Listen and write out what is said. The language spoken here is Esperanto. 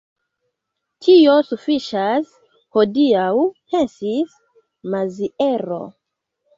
Tio sufiĉas hodiaŭ, pensis Maziero.